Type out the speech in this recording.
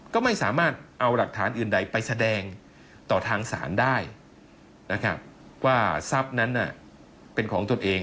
ก็ไม่สามารถเอาหลักฐานอื่นใดไปแสดงต่อทางศาลได้นะครับว่าทรัพย์นั้นเป็นของตนเอง